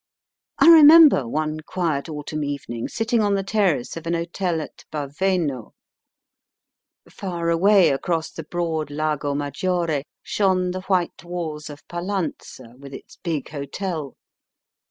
I remember one quiet autumn evening sitting on the terrace of an hotel at Baveno. Far away across the broad Lago Maggiore shone the white walls of Pallanza, with its big hotel.